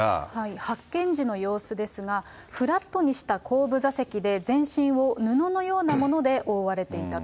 発見時の様子ですが、フラットにした後部座席で全身を布のようなもので覆われていたと。